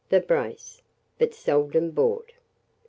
the brace; but seldom bought.